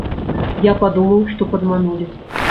Я падумаў, што падманулі.